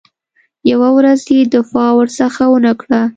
یوه ورځ یې دفاع ورڅخه ونه کړه.